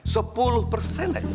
sepuluh persen aja